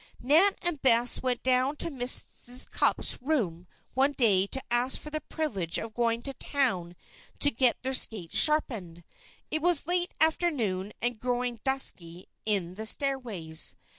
Nan and Bess went down to Mrs. Cupp's room one day to ask for the privilege of going to town to get their skates sharpened. It was late afternoon and growing dusky in the stairways.